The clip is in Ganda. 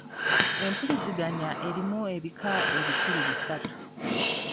Empuliziganya erimu ebika ebikulu bisatu.